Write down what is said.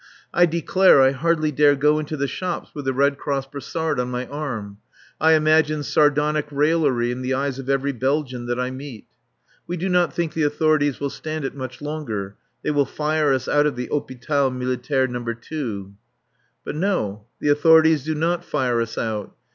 I declare I hardly dare go into the shops with the Red Cross brassard on my arm. I imagine sardonic raillery in the eyes of every Belgian that I meet. We do not think the authorities will stand it much longer; they will fire us out of the Hôpital Militaire No. II. But no, the authorities do not fire us out.